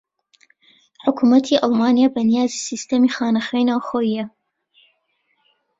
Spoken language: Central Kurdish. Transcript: حوکمەتی ئەڵمانیا بەنیازی سیستەمی خانە خوێی ناوەخۆییە